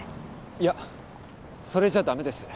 いやそれじゃだめです。